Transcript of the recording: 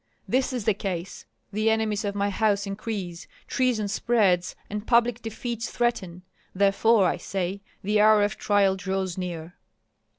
This is the case! The enemies of my house increase, treason spreads, and public defeats threaten. Therefore, I say, the hour of trial draws near."